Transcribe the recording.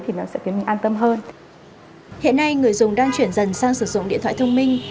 hiện nay người dùng đang chuyển dần sang sử dụng điện thoại thông minh